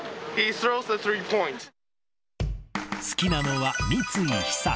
好きなのは、三井寿。